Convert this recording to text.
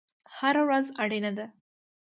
هره ورځ اړینه ده